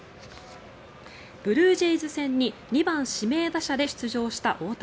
ブルージェイズ戦に２番指名打者で出場した大谷。